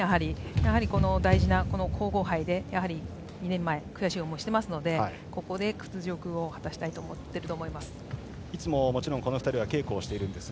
やはり大事な皇后杯で２年前、悔しい思いをしているのでここで屈辱を晴らしたいと思っています。